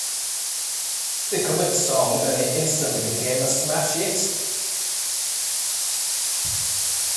They covered the song and it instantly became a smash hit.